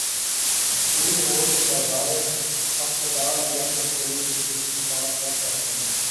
school ہو کہ بازار ہسپتال یا پھر پولیس اسٹیشن پار کر جاتے ہیں